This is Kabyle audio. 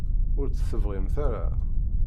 Ur tt-tebɣimt ara?